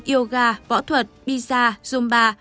yoga võ thuật pizza zumba